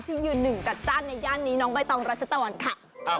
ที่ยืน๑กับจ้านในย่านนี้น้องใบตองรัชฎรค่ะ